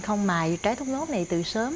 không mài trái thốt nốt này từ sớm